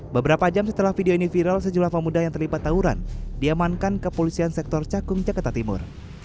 beberapa jam setelah video ini viral sejumlah pemuda yang terlipat tauran diamankan ke polisian sektor cakung jakarta timur